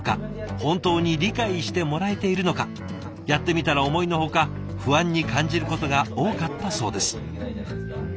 本当に理解してもらえているのかやってみたら思いのほか不安に感じることが多かったそうです。